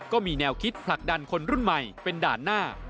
ก็มีแนวคิดผลักดันคนรุ่นใหม่เป็นด่านหน้า